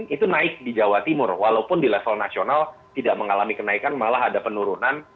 itu naik di jawa timur walaupun di level nasional tidak mengalami kenaikan malah ada penurunan